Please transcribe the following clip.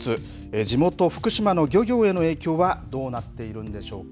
地元、福島の漁業への影響はどうなっているんでしょうか。